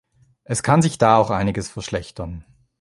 Es kann sich da auch einiges verschlechtern.